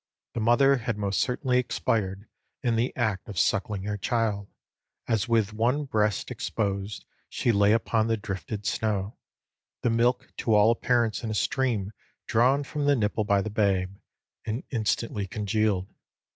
The mother had most certainly expired in the act of suckling her child; as with one breast exposed she lay upon the drifted snow, the milk to all appearance in a stream drawn from the nipple by the babe, and instantly congealed.